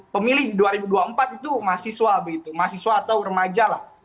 pemilih dua ribu dua puluh empat itu mahasiswa begitu mahasiswa atau remaja lah